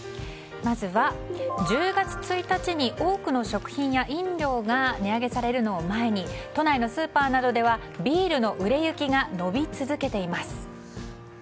まずは１０月１日に多くの食品や飲料が値上げされるのを前に都内のスーパーなどではビールの売れ行きが伸び続けています。